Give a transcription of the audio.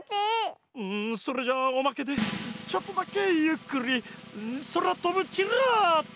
んそれじゃあおまけでちょっとだけゆっくりそらとぶチラッと！